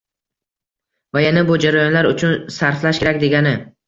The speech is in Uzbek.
Va yana, bu jarayonlar uchun sarflash kerak degani